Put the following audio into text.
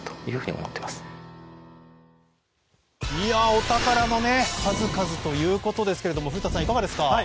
お宝の数々ということですが古田さん、いかがですか？